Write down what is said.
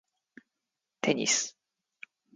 テニス